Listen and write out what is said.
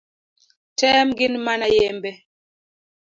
Tem gin mana yembe.